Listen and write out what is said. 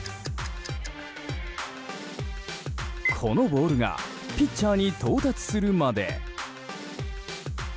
このボールがピッチャーに到達するまで。